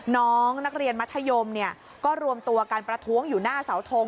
น้องนักเรียนมัธยมก็รวมตัวการประท้วงอยู่หน้าเสาทง